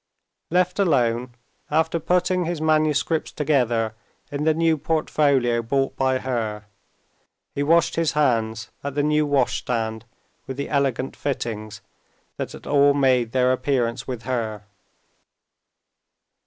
Left alone, after putting his manuscripts together in the new portfolio bought by her, he washed his hands at the new washstand with the elegant fittings, that had all made their appearance with her.